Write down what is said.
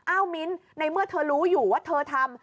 มิ้นในเมื่อเธอรู้อยู่ว่าเธอทำ